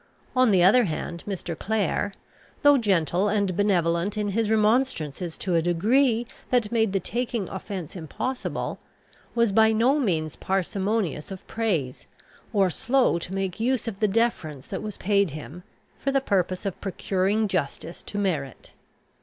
On the other hand, Mr. Clare, though gentle and benevolent in his remonstrances to a degree that made the taking offence impossible, was by no means parsimonious of praise, or slow to make use of the deference that was paid him, for the purpose of procuring justice to merit.